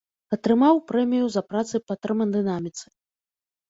Атрымаў прэмію за працы па тэрмадынаміцы.